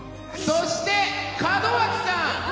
そして、門脇さん。